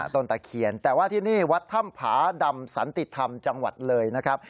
ตะเคียนแต่ว่าที่นี่วัดถ้ำผาดำสันติธรรมจังหวัดเลยนะครับ